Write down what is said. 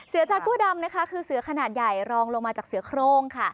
เสือจากั่วดำคือเสือขนาดใหญ่ลองลงมาจากเสือโครง